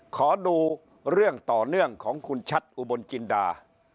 ขอดูเรื่องต่อเนื่องของคุณชัดอุบลจินดา